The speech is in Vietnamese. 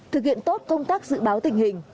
thực hiện tốt công tác dự báo tình hình